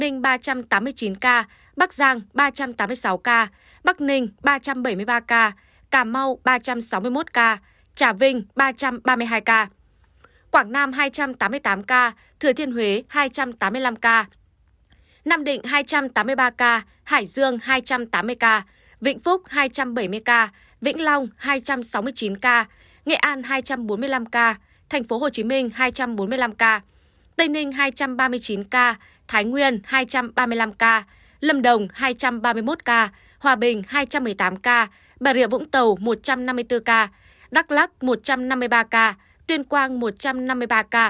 nam định hai trăm tám mươi ba ca hải dương hai trăm tám mươi ca vĩnh phúc hai trăm bảy mươi ca vĩnh long hai trăm sáu mươi chín ca nghệ an hai trăm bốn mươi năm ca tp hcm hai trăm bốn mươi năm ca tây ninh hai trăm ba mươi chín ca thái nguyên hai trăm ba mươi năm ca lâm đồng hai trăm ba mươi một ca hòa bình hai trăm một mươi tám ca bà rịa vũng tàu một trăm năm mươi bốn ca đắk lắk một trăm năm mươi ba ca tuyên quang một trăm năm mươi ba ca